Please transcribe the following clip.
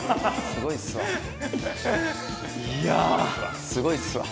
すごいっすわ。